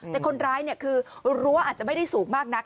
แต่คนร้ายคือรั้วอาจจะไม่ได้สูงมากนัก